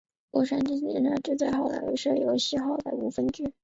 洛杉矶郡警察局在西好莱坞设有西好莱坞分局。